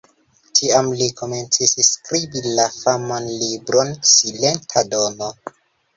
Tiam li komencis skribi la faman libron "Silenta Dono".